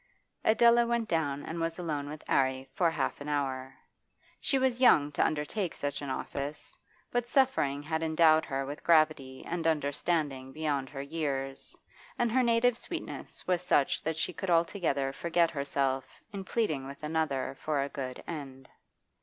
Adela went down and was alone with 'Arry for half an hour. She was young to undertake such an office, but suffering had endowed her with gravity and understanding beyond her years, and her native sweetness was such that she could altogether forget herself in pleading with another for a good end.